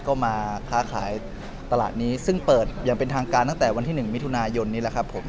ก็มาค้าขายตลาดนี้ซึ่งเปิดอย่างเป็นทางการตั้งแต่วันที่๑มิถุนายนนี้แหละครับผม